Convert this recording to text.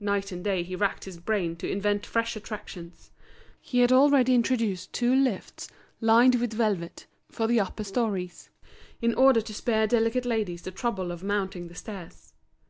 Night and day he racked his brain to invent fresh attractions. He had already introduced two lifts lined with velvet for the upper storeys, in order to spare delicate ladies the trouble of mounting the stairs.